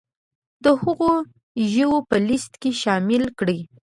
د هغو ژویو په لیست کې شامل کړي